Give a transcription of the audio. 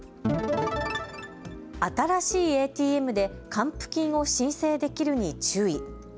新しいＡＴＭで還付金を申請できるに注意。